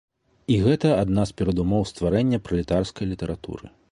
І гэта адна з перадумоў стварэння пралетарскай літаратуры.